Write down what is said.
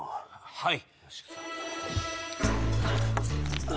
はい。